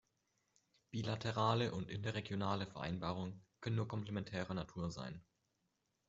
Bilaterale und interregionale Vereinbarungen können nur komplementärer Natur sein.